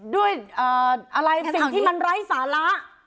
ด้วยอะไรสิ่งที่มันไร้สาระ